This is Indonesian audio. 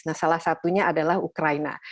nah salah satunya adalah ukraina